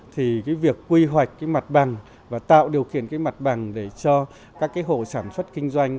thì việc quy hoạch mặt bằng và tạo điều khiển mặt bằng để cho các hộ sản xuất kinh doanh